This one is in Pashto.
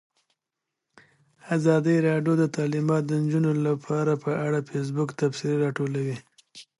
ازادي راډیو د تعلیمات د نجونو لپاره په اړه د فیسبوک تبصرې راټولې کړي.